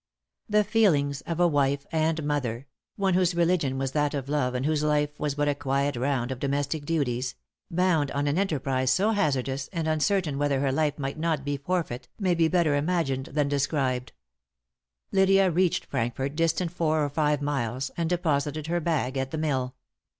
The feelings of a wife and mother one whose religion was that of love, and whose life was but a quiet round of domestic duties bound on an enterprise so hazardous, and uncertain whether her life might not be the forfeit, may be better imagined than described. Lydia reached Frankford, distant four or five miles, and deposited her bag at the mill.